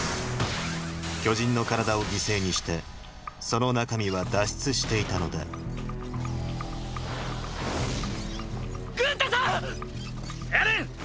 巨人の体を犠牲にしてその中身は脱出していたのだグンタさん！！